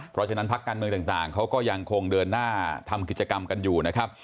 เพราะฉะนั้นพักการเมืองต่างเขาก็ยังคงเดินหน้าทำกิจกรรมกันอยู่นะครับ